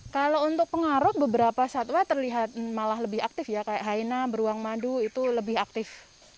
kalau untuk pengaruh beberapa satwa terlihat malah lebih aktif ya kayak haina beruang madu itu lebih aktif